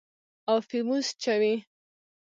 او فيوز چوي.